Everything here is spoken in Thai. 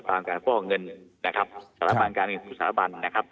พรามการฟ่องเงินนะครับสารบันการเงินสู่สารบันนะครับ